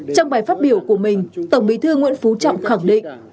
trong bài phát biểu của mình tổng bí thư nguyễn phú trọng khẳng định